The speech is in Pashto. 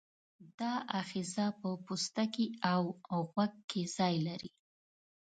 دا آخذه په پوستکي او غوږ کې ځای لري.